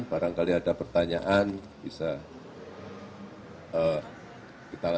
barangkali ada pertanyaan bisa kita lakukan